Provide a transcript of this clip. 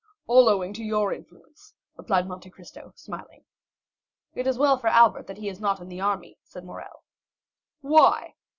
"All owing to your influence," replied Monte Cristo, smiling. "It is well for Albert he is not in the army," said Morrel. "Why?"